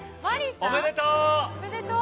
おめでとう！